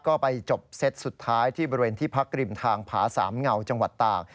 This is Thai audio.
ก็ไปจบเซตสุดท้ายที่บริเวณที่พักริมทางผาสามเงาจังหวัดตาก